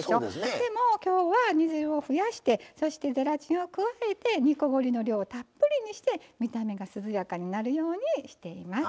でもきょうは煮汁を増やしてそしてゼラチンを加えて煮こごりの量をたっぷりにして見た目が涼やかになるようにしています。